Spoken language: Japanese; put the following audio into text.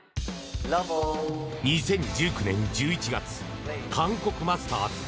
２０１９年１１月韓国マスターズ。